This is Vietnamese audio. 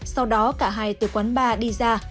sau đó cả hai từ quán ba đi ra